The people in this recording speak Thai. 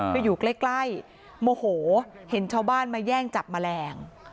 ไปอยู่ใกล้โมโหเห็นชาวบ้านมาแย่งจับแมลง